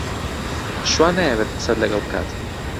شوان نایەوێت قسەت لەگەڵ بکات.